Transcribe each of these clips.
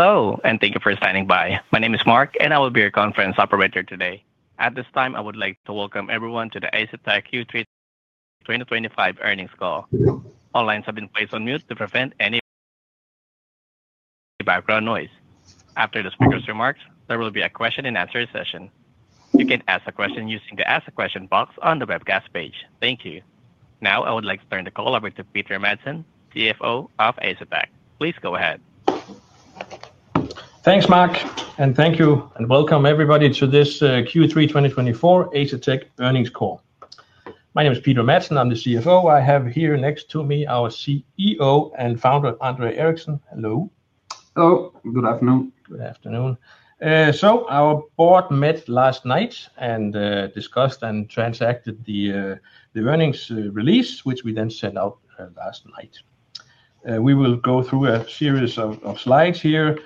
Hello, and thank you for standing by. My name is Mark, and I will be your conference operator today. At this time, I would like to welcome everyone to the Asetek Q3 2025 earnings call. All lines have been placed on mute to prevent any background noise. After the speaker's remarks, there will be a question-and-answer session. You can ask a question using the Ask a Question box on the webcast page. Thank you. Now, I would like to turn the call over to Peter Madsen, CFO of Asetek. Please go ahead. Thanks, Mark, and thank you, and welcome everybody to this Q3 2024 Asetek earnings call. My name is Peter Madsen. I'm the CFO. I have here next to me our CEO and founder, André Eriksen. Hello. Hello. Good afternoon. Good afternoon. Our board met last night and discussed and transacted the earnings release, which we then sent out last night. We will go through a series of slides here.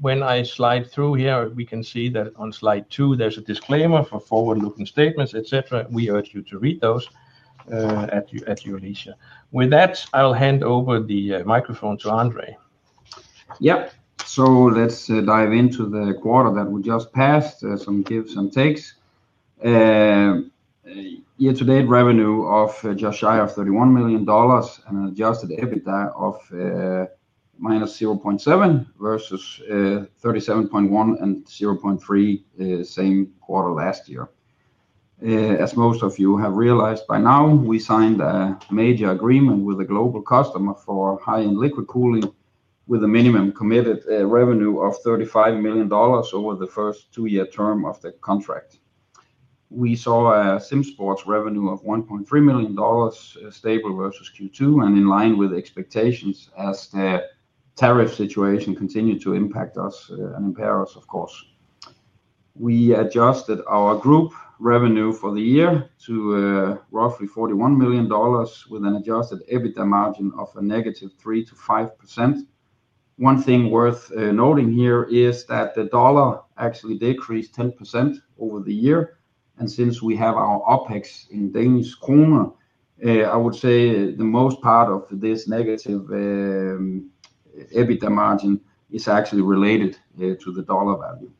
When I slide through here, we can see that on slide two, there is a disclaimer for forward-looking statements, etc. We urge you to read those at your leisure. With that, I will hand over the microphone to André. Yeah, so let's dive into the quarter that we just passed, some gives and takes. Year-to-date revenue of just shy of $31 million, and an adjusted EBITDA of minus $0.7 million versus $37.1 million and $0.3 million same quarter last year. As most of you have realized by now, we signed a major agreement with a global customer for high-end liquid cooling, with a minimum committed revenue of $35 million over the first two-year term of the contract. We saw SimSports revenue of $1.3 million, stable versus Q2, and in line with expectations as the tariff situation continued to impact us and impair us, of course. We adjusted our group revenue for the year to roughly $41 million, with an adjusted EBITDA margin of a negative 3%-5%. One thing worth noting here is that the dollar actually decreased 10% over the year, and since we have our OpEx in Danish krone, I would say the most part of this negative EBITDA margin is actually related to the dollar value.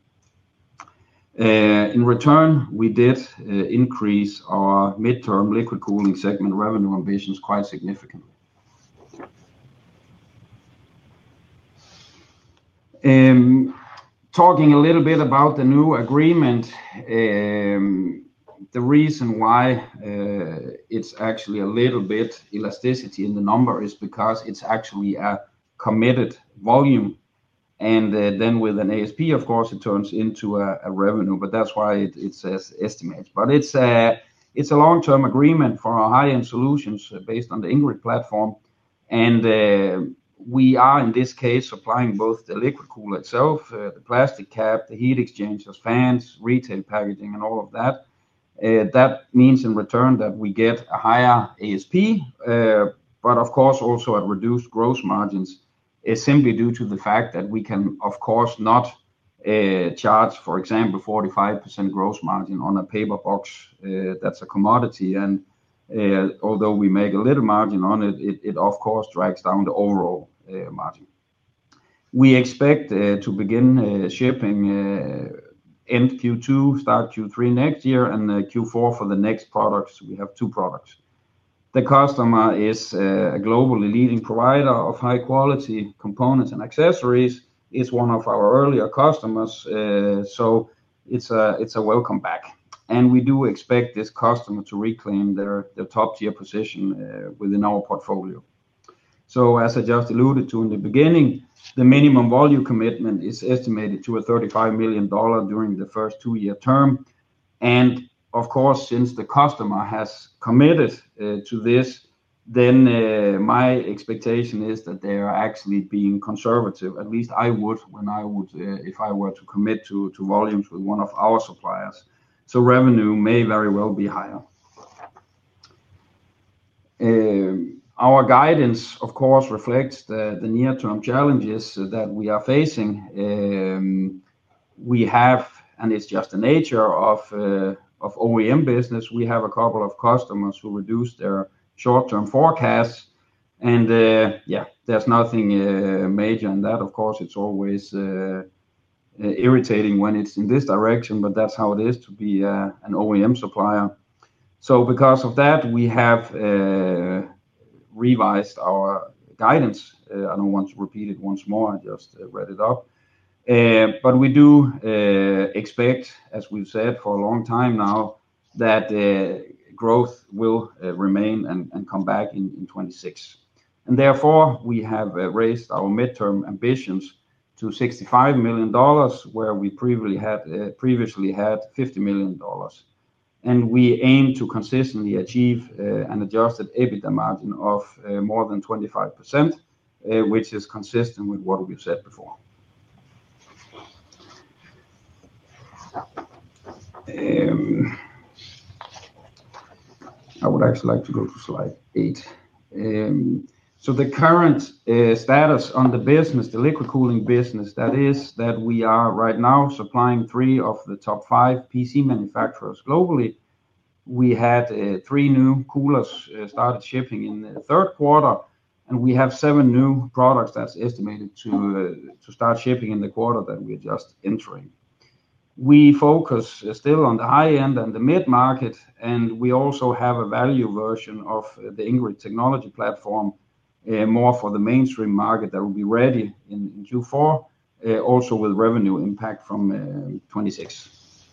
In return, we did increase our midterm liquid cooling segment revenue ambitions quite significantly. Talking a little bit about the new agreement, the reason why it's actually a little bit elasticity in the number is because it's actually a committed volume, and then with an ASP, of course, it turns into a revenue, but that's why it's estimated. It is a long-term agreement for our high-end solutions based on the Ingrid platform. We are, in this case, supplying both the liquid cooler itself, the plastic cap, the heat exchangers, fans, retail packaging, and all of that. That means in return that we get a higher ASP, but of course, also at reduced gross margins, simply due to the fact that we can, of course, not charge, for example, 45% gross margin on a paper box that's a commodity. Although we make a little margin on it, it, of course, drags down the overall margin. We expect to begin shipping end Q2, start Q3 next year, and Q4 for the next products. We have two products. The customer is a globally leading provider of high-quality components and accessories. It's one of our earlier customers, so it's a welcome back, and we do expect this customer to reclaim their top-tier position within our portfolio. As I just alluded to in the beginning, the minimum volume commitment is estimated to be $35 million during the first two-year term. Of course, since the customer has committed to this, then my expectation is that they are actually being conservative. At least I would if I were to commit to volumes with one of our suppliers, so revenue may very well be higher. Our guidance, of course, reflects the near-term challenges that we are facing. We have, and it's just the nature of OEM business, a couple of customers who reduced their short-term forecasts. Yeah, there's nothing major in that. Of course, it's always. Irritating when it's in this direction, but that's how it is to be an OEM supplier. Because of that, we have revised our guidance. I don't want to repeat it once more. I just read it up. We do expect, as we've said for a long time now, that growth will remain and come back in 2026. Therefore, we have raised our midterm ambitions to $65 million, where we previously had $50 million. We aim to consistently achieve an adjusted EBITDA margin of more than 25%, which is consistent with what we've said before. I would actually like to go to slide eight. The current status on the business, the liquid cooling business, is that we are right now supplying three of the top five PC manufacturers globally. We had three new coolers started shipping in the third quarter, and we have seven new products that's estimated to start shipping in the quarter that we're just entering. We focus still on the high-end and the mid-market, and we also have a value version of the Ingrid technology platform, more for the mainstream market, that will be ready in Q4, also with revenue impact from 2026.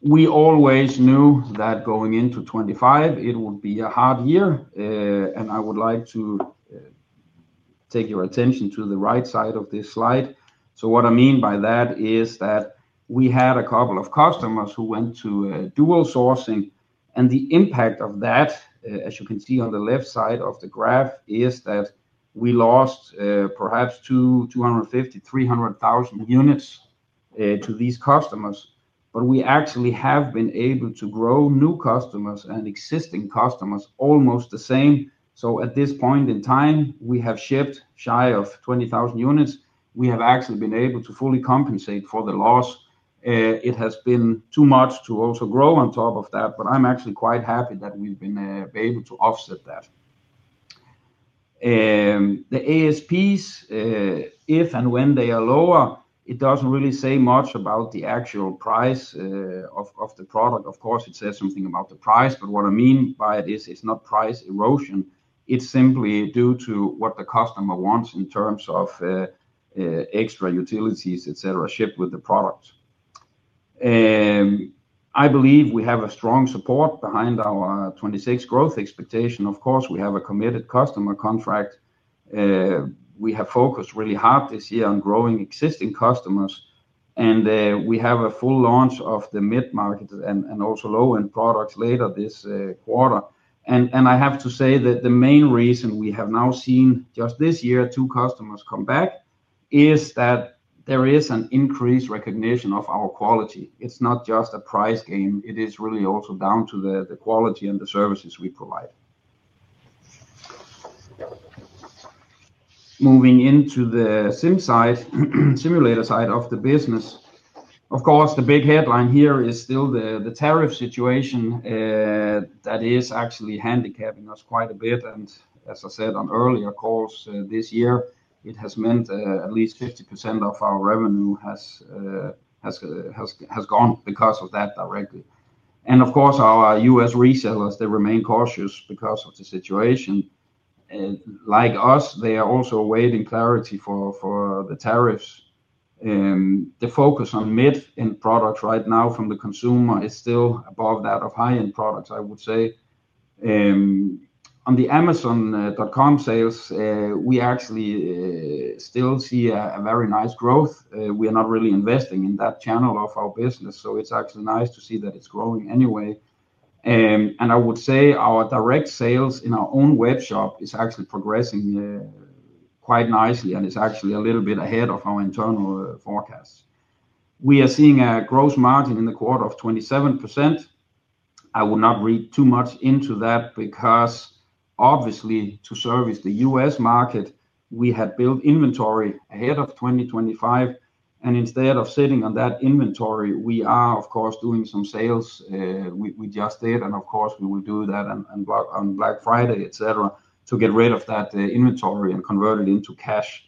We always knew that going into 2025, it would be a hard year. I would like to take your attention to the right side of this slide. What I mean by that is that we had a couple of customers who went to dual sourcing. The impact of that, as you can see on the left side of the graph, is that we lost perhaps 250,000-300,000 units to these customers. We actually have been able to grow new customers and existing customers almost the same. At this point in time, we have shipped shy of 20,000 units. We have actually been able to fully compensate for the loss. It has been too much to also grow on top of that, but I'm actually quite happy that we've been able to offset that. The ASPs, if and when they are lower, it doesn't really say much about the actual price of the product. Of course, it says something about the price, but what I mean by it is it's not price erosion. It's simply due to what the customer wants in terms of extra utilities, etc., shipped with the product. I believe we have a strong support behind our 2026 growth expectation. Of course, we have a committed customer contract. We have focused really hard this year on growing existing customers. We have a full launch of the mid-market and also low-end products later this quarter. I have to say that the main reason we have now seen just this year two customers come back is that there is an increased recognition of our quality. It's not just a price game. It is really also down to the quality and the services we provide. Moving into the SIM side, simulator side of the business. Of course, the big headline here is still the tariff situation. That is actually handicapping us quite a bit. As I said on earlier calls this year, it has meant at least 50% of our revenue has gone because of that directly. Of course, our U.S. resellers, they remain cautious because of the situation. Like us, they are also awaiting clarity for the tariffs. The focus on mid-end products right now from the consumer is still above that of high-end products, I would say. On the Amazon.com sales, we actually still see a very nice growth. We are not really investing in that channel of our business, so it is actually nice to see that it is growing anyway. I would say our direct sales in our own webshop is actually progressing quite nicely, and it is actually a little bit ahead of our internal forecasts. We are seeing a gross margin in the quarter of 27%. I will not read too much into that because obviously, to service the US market, we had built inventory ahead of 2025. Instead of sitting on that inventory, we are, of course, doing some sales. We just did, and we will do that on Black Friday, etc., to get rid of that inventory and convert it into cash.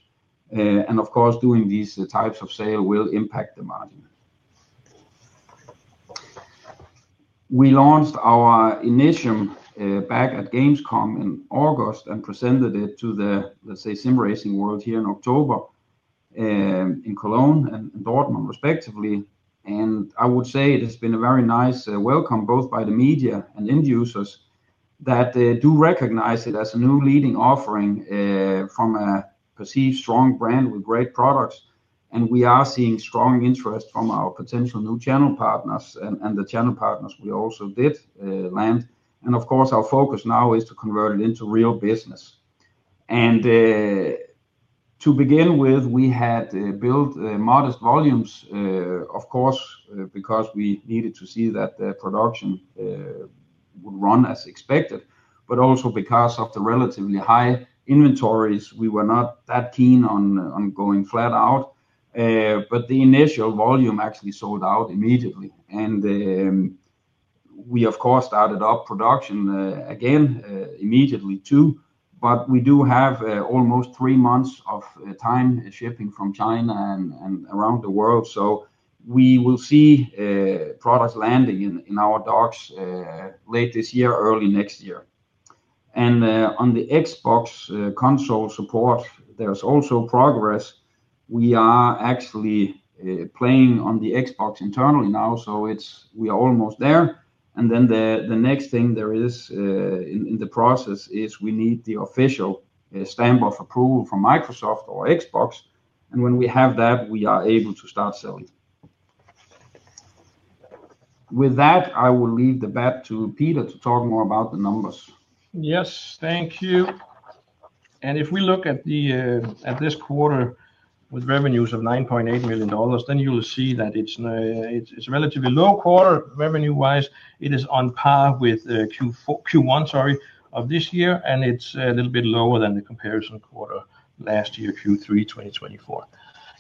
Doing these types of sales will impact the margin. We launched our Initium back at Gamescom in August and presented it to the, let's say, SIM racing world here in October in Cologne and Dortmund, respectively. I would say it has been a very nice welcome both by the media and end users that do recognize it as a new leading offering from a perceived strong brand with great products. We are seeing strong interest from our potential new channel partners and the channel partners we also did land. Our focus now is to convert it into real business. To begin with, we had built modest volumes, of course, because we needed to see that the production would run as expected, but also because of the relatively high inventories. We were not that keen on going flat out. The initial volume actually sold out immediately. We, of course, started up production again immediately too. We do have almost three months of time shipping from China and around the world. We will see products landing in our docks late this year, early next year. On the Xbox console support, there is also progress. We are actually playing on the Xbox internally now, so we are almost there. The next thing there in the process is we need the official stamp of approval from Microsoft or Xbox. When we have that, we are able to start selling. With that, I will leave the bat to Peter to talk more about the numbers. Yes, thank you. If we look at this quarter with revenues of $9.8 million, then you'll see that it's a relatively low quarter revenue-wise. It is on par with Q1, sorry, of this year, and it's a little bit lower than the comparison quarter last year, Q3, 2024.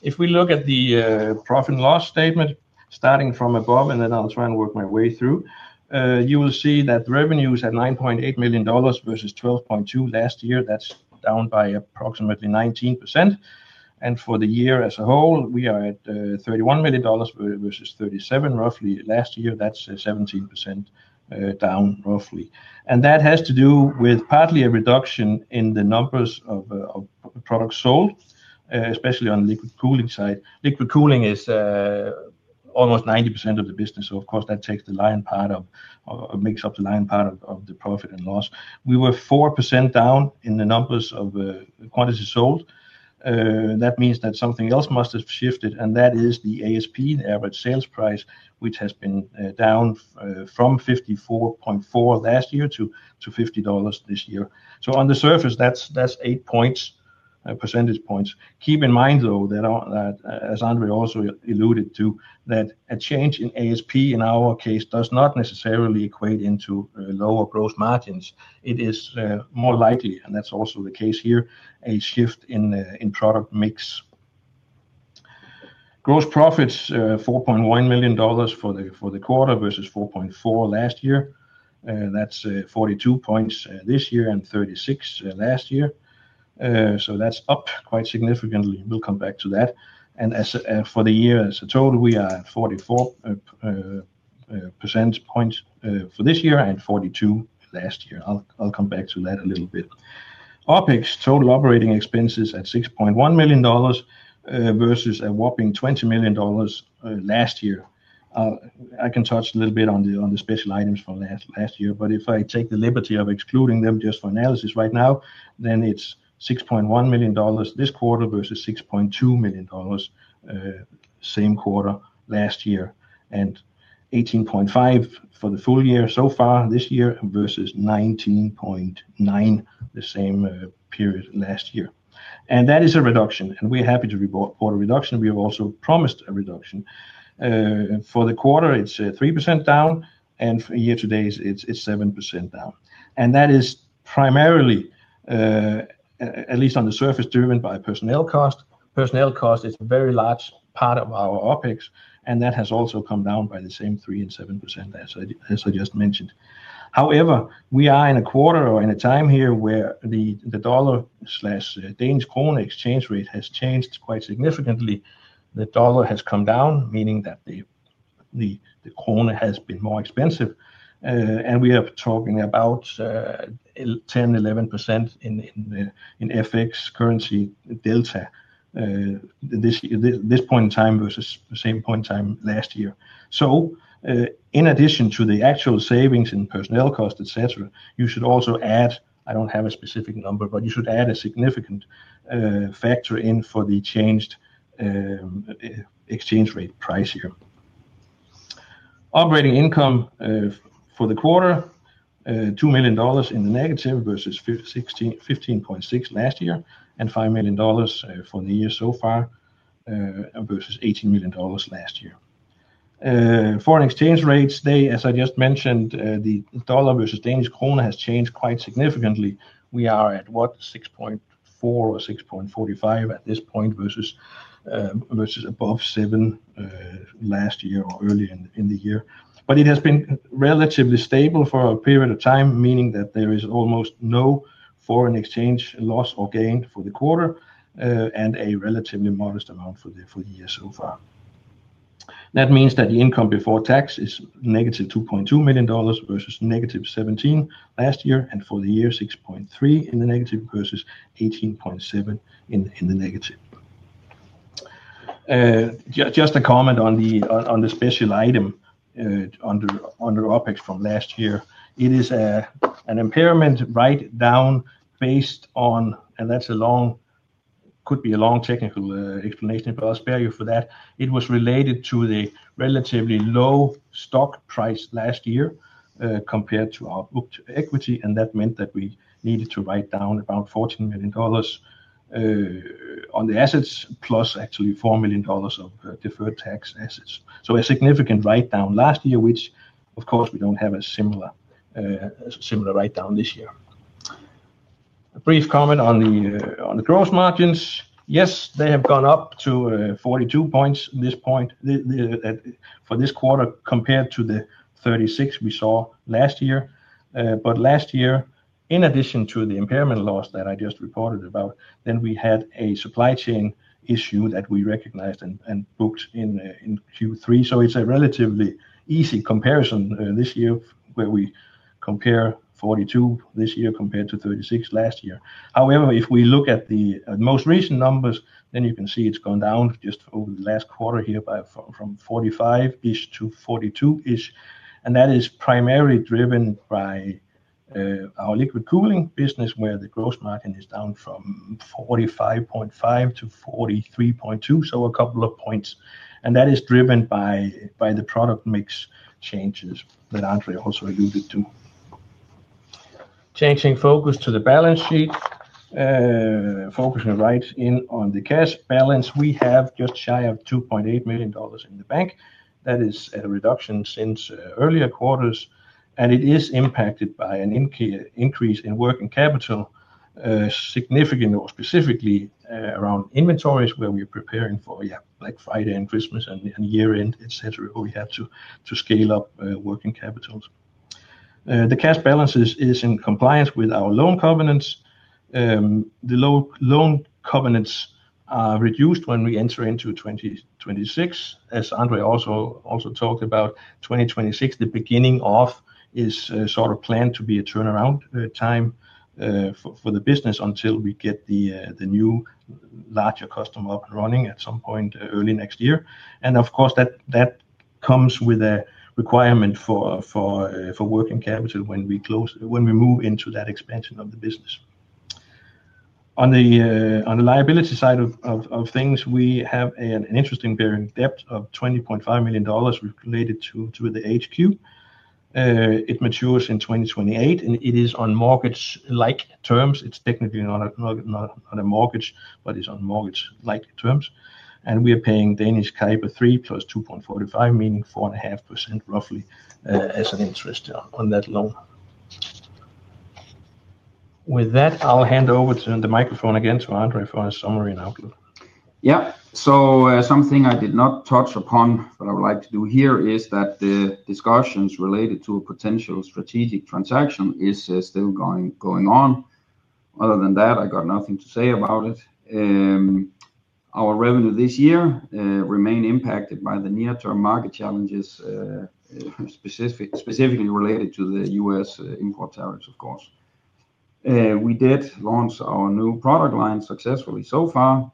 If we look at the profit and loss statement starting from above, and then I'll try and work my way through. You will see that revenues at $9.8 million versus $12.2 million last year, that's down by approximately 19%. For the year as a whole, we are at $31 million versus $37 million roughly last year. That's 17% down roughly. That has to do with partly a reduction in the numbers of products sold, especially on the liquid cooling side. Liquid cooling is almost 90% of the business. Of course, that takes the lion part of, or makes up the lion part of the profit and loss. We were 4% down in the numbers of quantity sold. That means that something else must have shifted, and that is the ASP, the average sales price, which has been down from $54.4 last year to $50 this year. On the surface, that's eight percentage points. Keep in mind, though, that as André also alluded to, a change in ASP in our case does not necessarily equate into lower gross margins. It is more likely, and that's also the case here, a shift in product mix. Gross profits, $4.1 million for the quarter versus $4.4 million last year. That's 42 percentage points this year and 36 last year. That's up quite significantly. We'll come back to that. For the year as a total, we are at 44 percentage points for this year and 42 last year. I'll come back to that a little bit. OPEX, total operating expenses at $6.1 million versus a whopping $20 million last year. I can touch a little bit on the special items from last year, but if I take the liberty of excluding them just for analysis right now, then it's $6.1 million this quarter versus $6.2 million same quarter last year, and $18.5 million for the full year so far this year versus $19.9 million the same period last year. That is a reduction, and we're happy to report a reduction. We have also promised a reduction. For the quarter, it's 3% down, and year to date, it's 7% down. That is primarily, at least on the surface, driven by personnel cost. Personnel cost is a very large part of our OPEX, and that has also come down by the same 3% and 7% as I just mentioned. However, we are in a quarter or in a time here where the dollar/danish krone exchange rate has changed quite significantly. The dollar has come down, meaning that the krone has been more expensive. We are talking about 10%-11% in FX currency delta. This point in time versus the same point in time last year. In addition to the actual savings in personnel cost, etc., you should also add, I do not have a specific number, but you should add a significant factor in for the changed exchange rate price here. Operating income for the quarter, $2 million in the negative versus $15.6 million last year, and $5 million for the year so far versus $18 million last year. Foreign exchange rates, as I just mentioned, the dollar versus Danish krone has changed quite significantly. We are at, what, 6.4 or 6.45 at this point versus above 7 last year or earlier in the year. It has been relatively stable for a period of time, meaning that there is almost no foreign exchange loss or gain for the quarter and a relatively modest amount for the year so far. That means that the income before tax is negative $2.2 million versus negative $17 million last year and for the year $6.3 million in the negative versus $18.7 million in the negative. Just a comment on the special item under OpEx from last year. It is an impairment write-down based on, and that is a long, could be a long technical explanation, but I will spare you for that. It was related to the relatively low stock price last year compared to our booked equity, and that meant that we needed to write down about $14 million on the assets, plus actually $4 million of deferred tax assets. A significant write-down last year, which, of course, we do not have a similar write-down this year. A brief comment on the gross margins. Yes, they have gone up to 42% this quarter compared to the 36% we saw last year. Last year, in addition to the impairment loss that I just reported about, we had a supply chain issue that we recognized and booked in Q3. It is a relatively easy comparison this year where we compare 42% this year compared to 36% last year. However, if we look at the most recent numbers, you can see it has gone down just over the last quarter here from 45% to 42%. That is primarily driven by our liquid cooling business, where the gross margin is down from 45.5% to 43.2%, so a couple of percentage points. That is driven by the product mix changes that André also alluded to. Changing focus to the balance sheet. Focusing right in on the cash balance. We have just shy of $2.8 million in the bank. That is a reduction since earlier quarters. It is impacted by an increase in working capital, specifically around inventories where we are preparing for Black Friday and Christmas and year-end, etc., where we have to scale up working capital. The cash balance is in compliance with our loan covenants. The loan covenants are reduced when we enter into 2026. As André also talked about, 2026, the beginning of, is sort of planned to be a turnaround time. For the business until we get the new. Larger customer up and running at some point early next year. Of course, that comes with a requirement for working capital when we move into that expansion of the business. On the liability side of things, we have an interesting bearing debt of DKK 20.5 million related to the HQ. It matures in 2028, and it is on mortgage-like terms. It's technically not a mortgage, but it's on mortgage-like terms. We are paying Danish krone CIBOR 3 plus 2.45, meaning 4.5% roughly as an interest on that loan. With that, I'll hand over the microphone again to André for a summary and outlook. Yeah. Something I did not touch upon that I would like to do here is that the discussions related to a potential strategic transaction are still going on. Other than that, I got nothing to say about it. Our revenue this year remains impacted by the near-term market challenges. Specifically related to the US import tariffs, of course. We did launch our new product line successfully so far,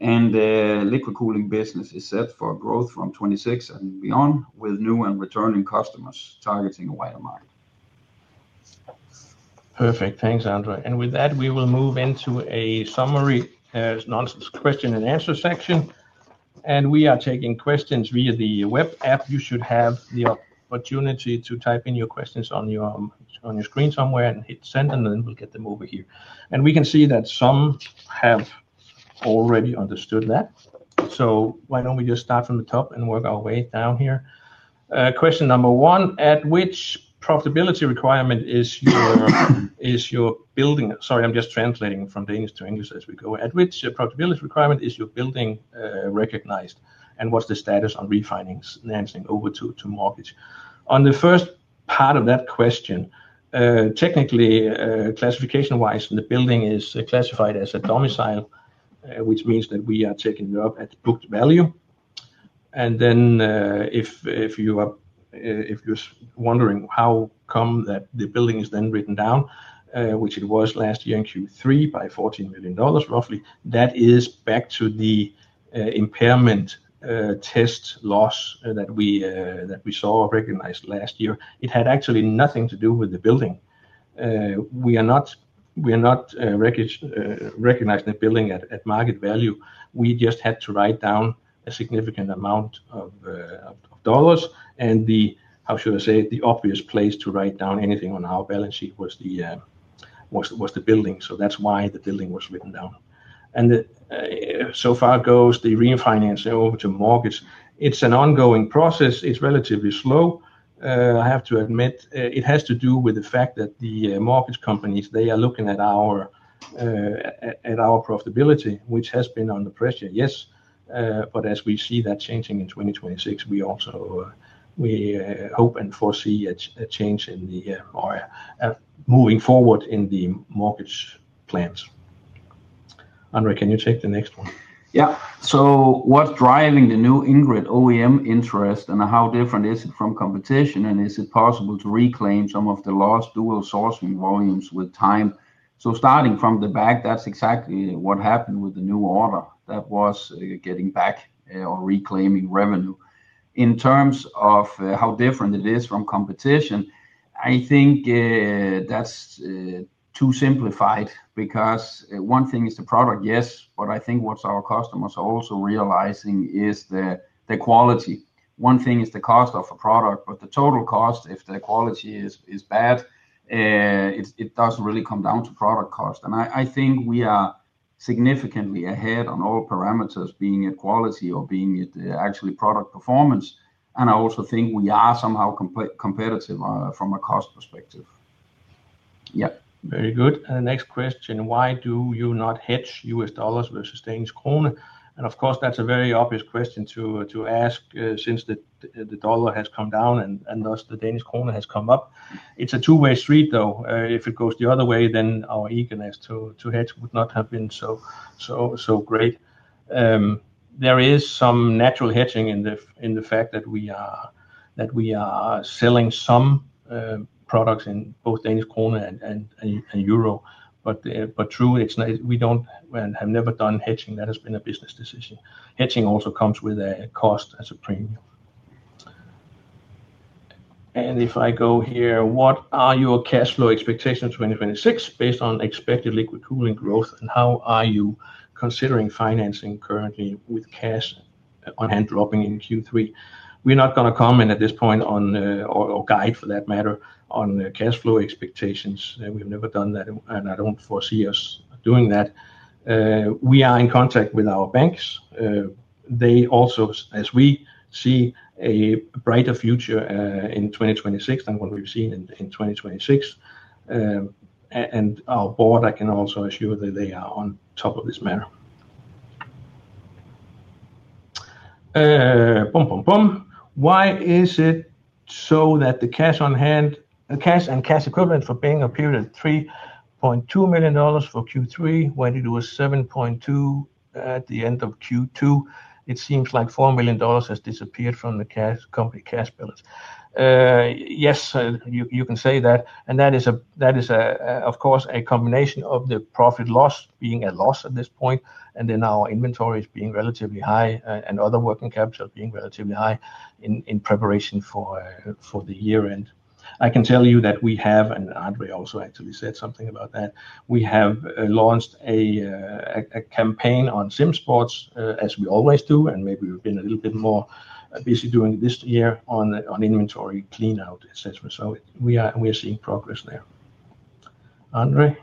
and the liquid cooling business is set for growth from 2026 and beyond with new and returning customers targeting a wider market. Perfect. Thanks, André. With that, we will move into a summary question and answer section. We are taking questions via the web app. You should have the opportunity to type in your questions on your screen somewhere and hit send, and then we'll get them over here. We can see that some have already understood that. Why don't we just start from the top and work our way down here? Question number one, at which profitability requirement is your building? Sorry, I'm just translating from Danish to English as we go. At which profitability requirement is your building recognized? What's the status on refinancing over to mortgage? On the first part of that question, technically, classification-wise, the building is classified as a domicile, which means that we are taking it up at booked value. If you're wondering how come the building is then written down, which it was last year in Q3 by $14 million roughly, that is back to the impairment test loss that we saw recognized last year. It had actually nothing to do with the building. We are not recognizing the building at market value. We just had to write down a significant amount of dollars. How should I say it? The obvious place to write down anything on our balance sheet was the building. That's why the building was written down. As far as the refinancing over to mortgage, it's an ongoing process. It's relatively slow, I have to admit. It has to do with the fact that the mortgage companies are looking at our profitability, which has been under pressure, yes. As we see that changing in 2026, we hope and foresee a change moving forward in the mortgage plans. André, can you take the next one? Yeah. What is driving the new Ingrid OEM interest, and how different is it from competition, and is it possible to reclaim some of the lost dual sourcing volumes with time? Starting from the back, that is exactly what happened with the new order. That was getting back or reclaiming revenue. In terms of how different it is from competition, I think that is too simplified because one thing is the product, yes, but I think what our customers are also realizing is the quality. One thing is the cost of a product, but the total cost, if the quality is bad, it does not really come down to product cost. I think we are significantly ahead on all parameters, being it quality or being it actually product performance. I also think we are somehow competitive from a cost perspective. Yeah. Very good. The next question, why do you not hedge US dollars versus Danish krone? Of course, that's a very obvious question to ask since the dollar has come down and thus the Danish krone has come up. It's a two-way street, though. If it goes the other way, then our eagerness to hedge would not have been so great. There is some natural hedging in the fact that we are selling some products in both Danish krone and euro. But true, we have never done hedging. That has been a business decision. Hedging also comes with a cost as a premium. If I go here, what are your cash flow expectations in 2026 based on expected liquid cooling growth, and how are you considering financing currently with cash on hand dropping in Q3? We're not going to comment at this point on, or guide for that matter, on cash flow expectations. We've never done that, and I don't foresee us doing that. We are in contact with our banks. They also, as we see, a brighter future in 2026 than what we've seen in 2026. Our board, I can also assure that they are on top of this matter. Why is it so that the cash on hand, cash and cash equivalent for being a period of $3.2 million for Q3, when it was $7.2 million at the end of Q2, it seems like $4 million has disappeared from the company cash balance? Yes, you can say that. That is, of course, a combination of the profit loss being a loss at this point, and then our inventory is being relatively high, and other working capital being relatively high in preparation for the year-end. I can tell you that we have, and André also actually said something about that, we have launched a campaign on SimSports, as we always do, and maybe we've been a little bit more busy doing it this year on inventory clean-out, etc. We are seeing progress there. André?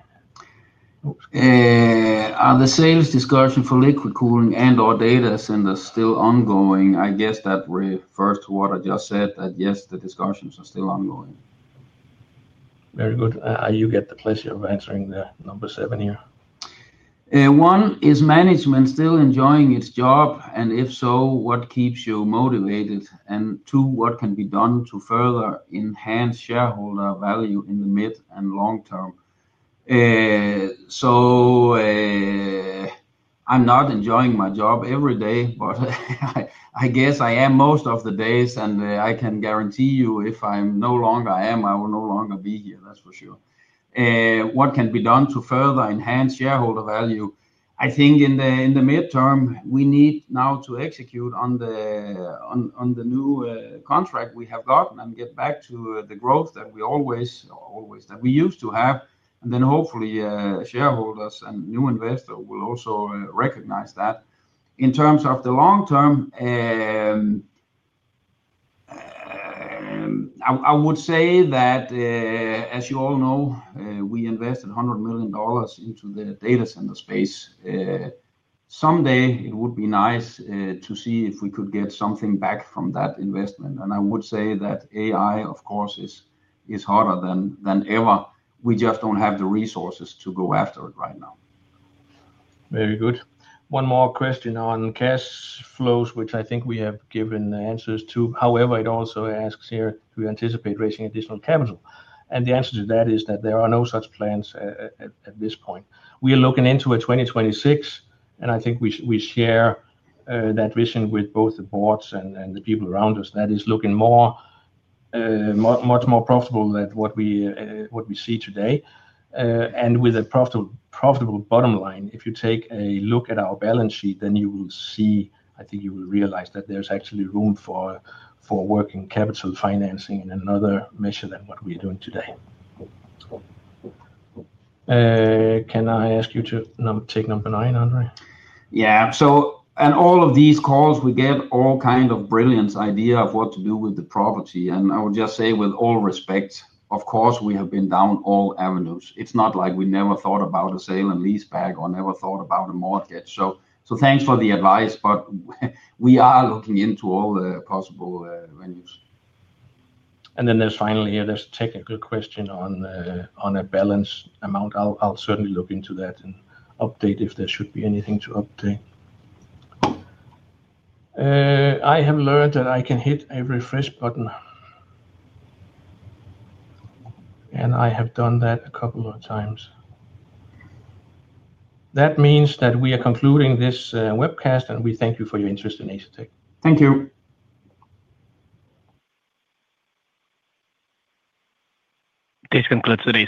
Are the sales discussions for liquid cooling and/or data centers still ongoing? I guess that refers to what I just said, that yes, the discussions are still ongoing. Very good. You get the pleasure of answering number seven here. One is management still enjoying its job, and if so, what keeps you motivated? Two, what can be done to further enhance shareholder value in the mid and long term? I'm not enjoying my job every day, but I guess I am most of the days, and I can guarantee you if I no longer am, I will no longer be here, that's for sure. What can be done to further enhance shareholder value? I think in the midterm, we need now to execute on the new contract we have gotten and get back to the growth that we always used to have. Hopefully, shareholders and new investors will also recognize that. In terms of the long term, I would say that, as you all know, we invested $100 million into the data center space. Someday, it would be nice to see if we could get something back from that investment. I would say that AI, of course, is hotter than ever. We just do not have the resources to go after it right now. Very good. One more question on cash flows, which I think we have given answers to. However, it also asks here to anticipate raising additional capital. The answer to that is that there are no such plans at this point. We are looking into 2026, and I think we share that vision with both the boards and the people around us. That is looking much more profitable than what we see today. With a profitable bottom line, if you take a look at our balance sheet, then you will see, I think you will realize that there's actually room for working capital financing in another measure than what we are doing today. Can I ask you to take number nine, André? Yeah. In all of these calls, we get all kinds of brilliant ideas of what to do with the property. I would just say, with all respect, of course, we have been down all avenues. It is not like we never thought about a sale and leaseback or never thought about a mortgage. Thanks for the advice, but we are looking into all the possible venues. There is finally here, there is a technical question on a balance amount. I will certainly look into that and update if there should be anything to update. I have learned that I can hit a refresh button. I have done that a couple of times. That means that we are concluding this webcast, and we thank you for your interest in Asetek. Thank you. This concludes today's.